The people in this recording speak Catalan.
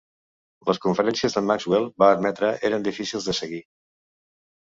Les conferències de Maxwell, va admetre, eren difícils de seguir.